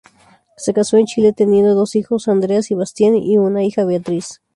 Se casó en Chile, teniendo dos hijos Andreas y Bastián, y una hija Beatrice.